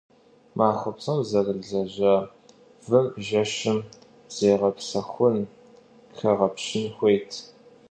Махуэ псом зэрылэжьа вым жэщым зегъэгъэпсэхун, хэгъэпщын хуейт.